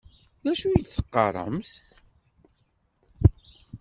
D acu i d-teqqaṛemt?